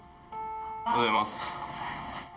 おはようございます。